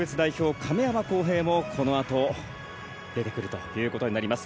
亀山耕平もこのあと出てくるということになります。